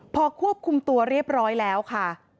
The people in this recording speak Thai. พอควบคุมตัวเรียบร้อยแล้วค่ะ